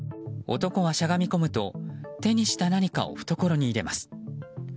男はしゃがみこむと手にした何かを懐に入れます。